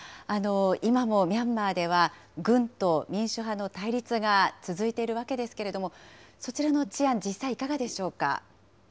今もミャンマーでは軍と民主派の対立が続いているわけですけれども、そちらの治安、実際いかがでしょうか。